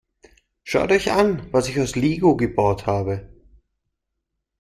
Schaut euch an, was ich aus Lego gebaut habe!